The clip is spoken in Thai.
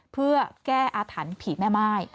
เพื่อแก้อาถรรพ์ผีแม่ม่าย